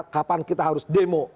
kapan kita harus demo